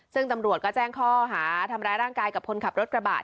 ซึ่งตำรวจก็แจ้งข้อหาทำร้ายร่างกายกับคนขับรถกระบะ